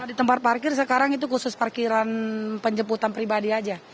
di tempat parkir sekarang itu khusus parkiran penjemputan pribadi aja